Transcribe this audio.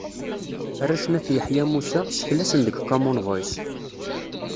Arrac n At Yeḥya Musa, seklasen deg Common Voice.